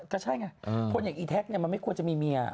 ก็ใช่ไงหลวงใหญ่ไอท็คมันไม่ควรจะมีเมีย